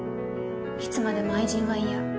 いつまでも愛人は嫌。